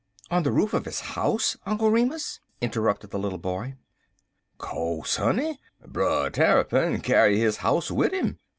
"On the roof of his house, Uncle Remus?" interrupted the little boy. "Co'se honey, Brer Tarrypin kyar his house wid 'im.